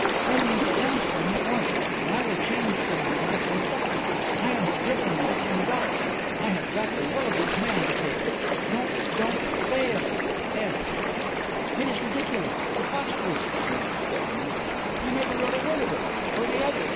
Send me the M. string at once and I will change somehow before supper. I am scribbling this in the dark. I have got the Willoughby's man to take it. Don't, don't fail. S.'" "It is ridiculous, preposterous," snapped Stephanie. "I never wrote a word of it or the other.